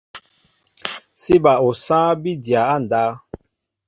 Sí bal osááŋ bí dya á ndáw.